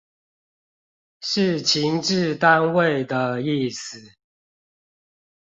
是情治單位的意思